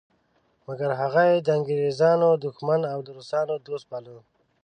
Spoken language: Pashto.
مګر هغه یې د انګریزانو دښمن او د روسانو دوست باله.